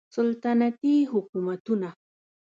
سلطنتي حکومتونه